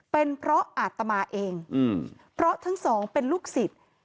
เป็นเพราะอาตมาเองเพราะทั้งสองเป็นลูกศิษย์